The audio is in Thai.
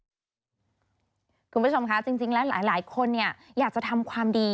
คุณผู้ชมคะจริงแล้วหลายคนเนี่ยอยากจะทำความดี